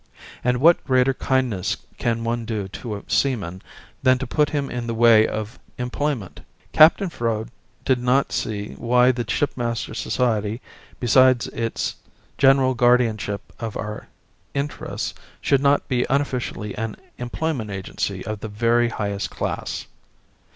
And what greater kindness can one do to a seaman than to put him in the way of employment? Captain Froud did not see why the Shipmasters' Society, besides its general guardianship of our interests, should not be unofficially an employment agency of the very highest class.